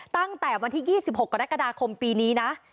ตั้งแต่วันที่๒๖กรกฎาคมปีนี้นะ